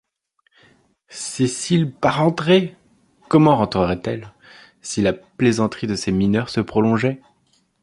Cécile pas rentrée! comment rentrerait-elle, si la plaisanterie de ces mineurs se prolongeait?